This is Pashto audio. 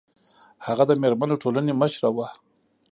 هغه د میرمنو ټولنې مشره وه